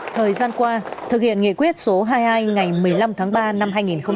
thời gian qua thực hiện nghị quyết số hai mươi hai ngày một mươi năm tháng ba năm hai nghìn hai mươi